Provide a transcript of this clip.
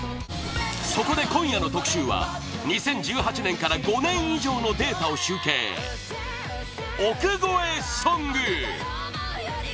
そこで今夜の特集は２０１８年から５年以上のデータを集計億超えソング！